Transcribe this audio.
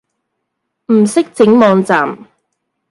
唔識整網站